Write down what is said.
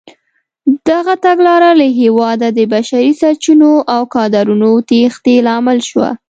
دغه تګلاره له هېواده د بشري سرچینو او کادرونو تېښتې لامل شوه.